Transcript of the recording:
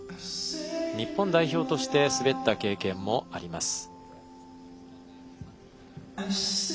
日本代表として滑った経験もあります。